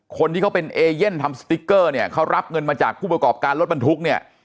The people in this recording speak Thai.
คนที่เขาเป็นเอเย่นทำสติ๊กเกอร์เนี่ยเขารับเงินมาจากผู้ประกอบการรถบรรทุกเนี่ย